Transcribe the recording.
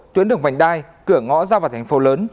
tuyến đường vành đai cửa ngõ ra vào thành phố lớn